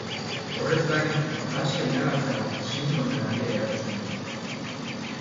Horrez gain, gasa inhalatzeagatik sindrome larria erakusten du.